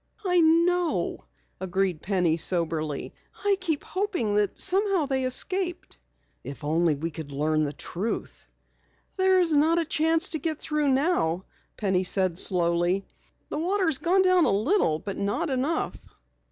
"I know," agreed Penny soberly. "I keep hoping that somehow they escaped." "If only we could learn the truth." "There's not a chance to get through now," Penny said slowly. "The water's gone down a little, but not enough."